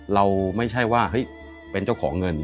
เราไม่ใช่ว่าเฮ้ยเป็นเจ้าของเงิน